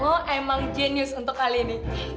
oh emang jenius untuk kali ini